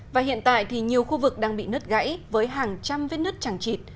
và hiện tại thì nhiều khu vực đang bị nứt gãy với hàng trăm vết nứt chẳng chịt